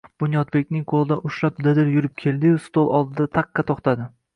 Bunyodbekning qoʻlidan ushlab dadil yurib keldi-yu, stol oldida taqqa toʻxtadi